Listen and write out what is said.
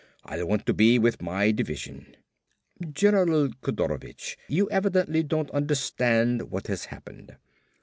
I'll want to be with my division." "General Kodorovich, you evidently don't understand what has happened.